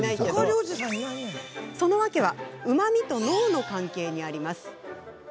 その訳はうまみと脳の関係にあります。